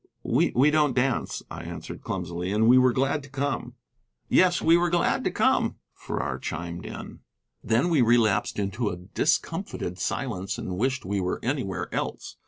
"We don't dance," I answered clumsily, "and we were glad to come." "Yes, we were glad to come," Farrar chimed in. Then we relapsed into a discomfited silence, and wished we were anywhere else.